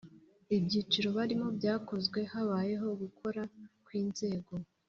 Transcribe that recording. ibyiciro barimo byakozwe habayeho gukoraa kw’inzego